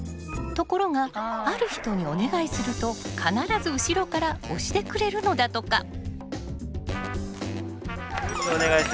ところがある人にお願いすると必ず後ろから押してくれるのだとか。